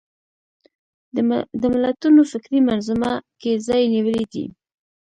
د ملتونو فکري منظومه کې ځای نیولی دی